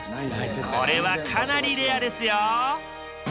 これはかなりレアですよ。